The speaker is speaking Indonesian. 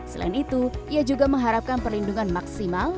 selain itu ia juga mengharapkan perlindungan maksimal